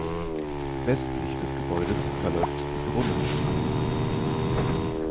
Westlich des Gebäudes verläuft die Brunnenstraße.